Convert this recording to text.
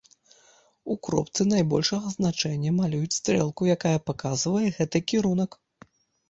У кропцы найбольшага значэння малююць стрэлку, якая паказвае гэты кірунак.